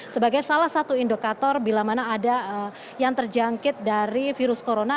sebagai salah satu indikator bila mana ada yang terjangkit dari virus corona